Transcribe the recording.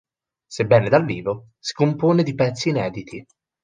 Sebbene dal vivo, si compone di pezzi inediti.